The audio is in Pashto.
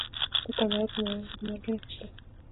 د کندهار په میوند کې د مالګې نښې شته.